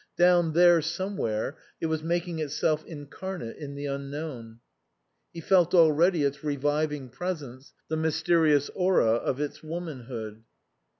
Down there somewhere it was making itself incarnate in the unknown. He felt already its reviving pre sence, the mysterious aura of its womanhood.